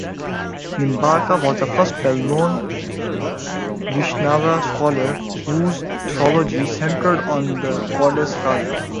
Nimbarka was the first well known Vaishnava scholar whose theology centered on goddess Radha.